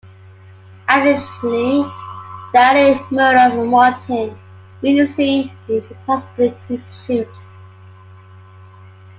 Additionally, the added murder of Martin made the scene an impossibility to shoot.